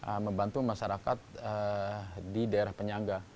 kita membantu masyarakat di daerah penyangga